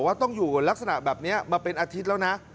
ว่าต้องอยู่ลักษณะแบบนี้มาเป็นอาทิตย์แล้วนะ